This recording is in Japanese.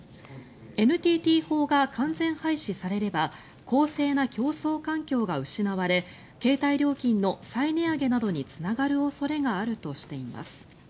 ＮＴＴ法が完全廃止されれば公正な競争環境が失われ携帯料金の再値上げなどにつながる恐れがあるとしています。